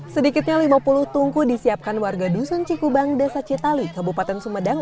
sedikitnya lima puluh tungku disiapkan warga dusun cikubang desa citali kabupaten sumedang